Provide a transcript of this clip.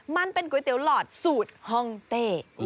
มันเป็นก๋วยเตี๋ยวหลอดสูตรฮองเต้